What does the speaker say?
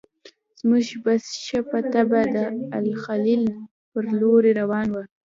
زموږ بس ښه په طبعه د الخلیل پر لوري روان و.